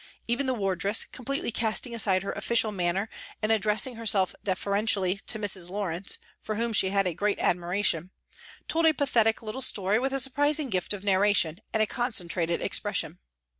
Even the wardress, completely casting aside her official manner and addressing herself deferentially to Mrs. Lawrence, for whom she had a great admiration, told a pathetic little story with a surprising gift of narration and concentrated expression.